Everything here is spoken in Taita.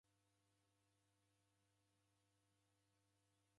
Ni mweni ani?